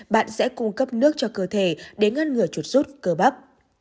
bạn sẽ cung cấp nước cho cơ thể để ngăn ngừa chuột suốt cơ bắp